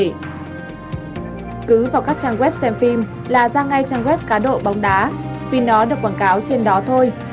cứ vào các trang web xem phim là ra ngay trang web cá độ bóng đá vì nó được quảng cáo trên đó thôi